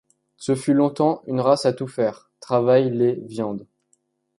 Ce fut longtemps une race à tout faire: travail, lait, viande.